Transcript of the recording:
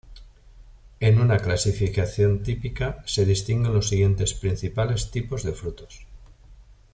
En una clasificación típica se distinguen los siguientes principales tipos de frutos.